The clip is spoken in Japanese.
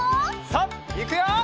さあいくよ！